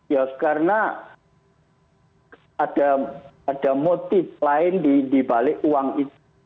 ya karena ada motif lain dibalik uang itu